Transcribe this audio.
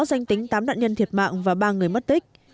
danh tính tám nạn nhân thiệt mạng và ba người mất tích